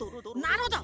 なるほど！